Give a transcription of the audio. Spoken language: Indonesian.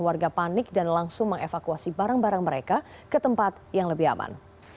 warga panik dan langsung mengevakuasi barang barang mereka ke tempat yang lebih aman